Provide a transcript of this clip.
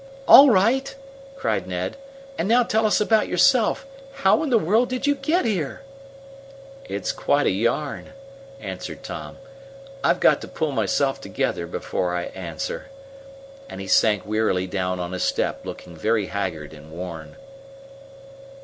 "All right!" cried Ned. "And now tell us about yourself. How in the world did you get here?" "It's quite a yarn," answered Tom. "I've got to pull myself together before I answer," and he sank wearily down on a step, looking very haggard and worn.